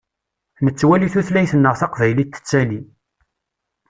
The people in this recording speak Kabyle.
Nettwali tutlayt-nneɣ taqbaylit tettali.